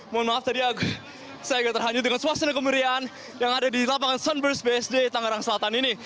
mohon maaf tadi saya agak terhanyut dengan suasana kemeriahan yang ada di lapangan sunburst bsd tangerang selatan ini